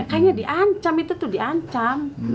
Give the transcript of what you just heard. kayaknya di ancam itu tuh di ancam